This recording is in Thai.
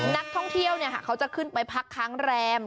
นักท่องเที่ยวเขาจะขึ้นไปพักค้างแรม